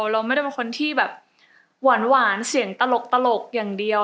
เราไม่ได้เป็นคนที่แบบหวานเสียงตลกอย่างเดียว